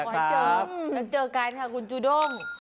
ขอให้เจอกันค่ะคุณจูด้อง